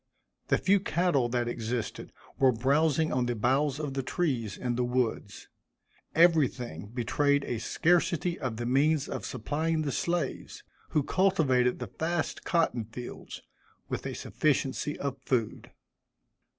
The few cattle that existed, were browsing on the boughs of the trees, in the woods. Everything betrayed a scarcity of the means of supplying the slaves, who cultivated the vast cotton fields, with a sufficiency of food.